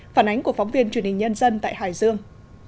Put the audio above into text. phản ánh của phóng viên truyền hình nhân dân tại hải dương